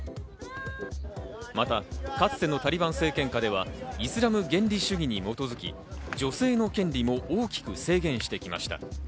また、かつてのタリバン政権下ではイスラム原理主義に基づき、女性の権利も大きく制限してきました。